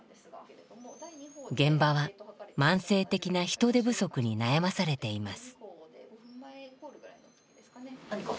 現場は慢性的な人手不足に悩まされています。